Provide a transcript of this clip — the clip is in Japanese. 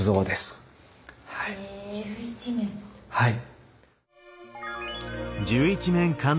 はい。